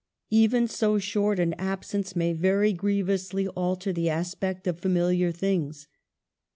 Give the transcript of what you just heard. Even so short an absence may very grievously alter the aspect of familiar things.